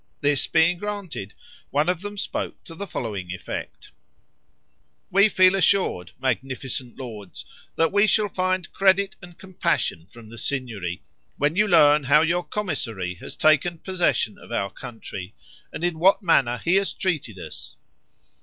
This being granted, one of them spoke to the following effect: "We feel assured, magnificent lords, that we shall find credit and compassion from the Signory, when you learn how your commissary has taken possession of our country, and in what manner he has treated us.